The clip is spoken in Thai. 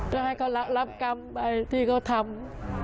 ก็ให้เขารับกรรมไปที่เขาทำ